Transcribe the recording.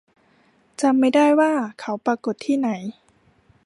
จำไม่ได้ว่าเขาปรากฏที่ไหน